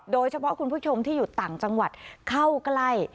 โดยเฉพาะคุณผู้ชมที่อยู่ต่างจังหวัดเข้าใกล้